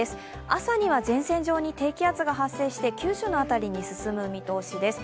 朝には前線上に低気圧が発生して九州の辺りに進む見通しです。